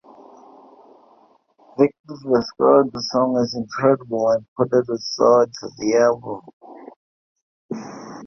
Victor described the song as "incredible" and put it aside for the album.